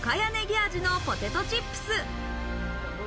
味のポテトチップス。